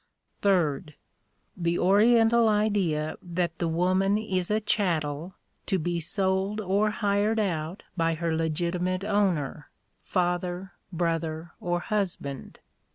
3d. The Oriental idea that the woman is a chattel, to be sold or hired out by her legitimate owner, father, brother, or husband.